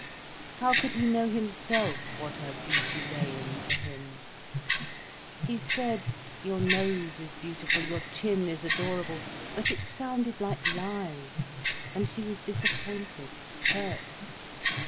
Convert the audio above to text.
How could he know himself what her beauty lay in, for him. He said "Your nose is beautiful, your chin is adorable." But it sounded like lies, and she was disappointed, hurt.